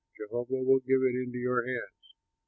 Jehovah will give it into your hands!"